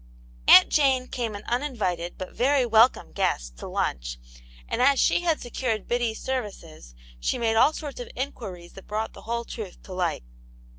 Aunt Jane came an uninvited, but very welcome guest, to lunch, ' and as she had secured Biddy's services, she made all sorts of inquiries that brought the whole truth to light.